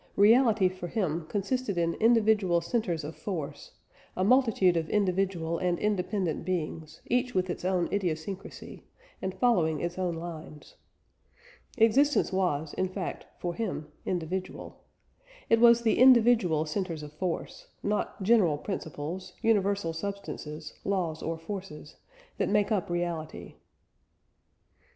Reality for him consisted in individual centres of force a multitude of individual and independent beings, each with its own idiosyncrasy, and following its own lines. Existence was, in fact, for him, individual. It was the individual centres of force not general principles, universal substances, laws or forces that make up reality.